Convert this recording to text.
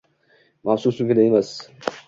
mavsum so’nggida emas